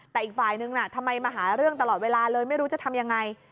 แต่อีกฝ่ายนึงน่ะทำไมมาหาเรื่องตลอดเวลาเลยไม่รู้จะทำยังไง